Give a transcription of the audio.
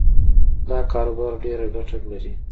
دا کاروبار ډېره ګټه لري